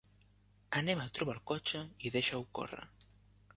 Anem a trobar el cotxe i deixa-ho corre.